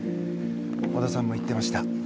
織田さんも言ってました。